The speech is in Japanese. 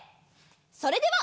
それでは。